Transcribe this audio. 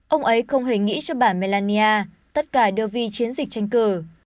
ông ấy không hề nghĩ cho bà melania tất cả đều vì chiến dịch tranh cử